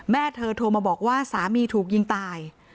แม่เธอโทรมาบอกว่าสามีถูกยิงตาย